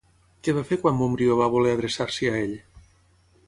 Què va fer quan Montbrió va voler adreçar-s'hi a ell?